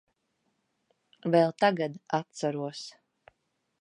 Vēl tagad atceros.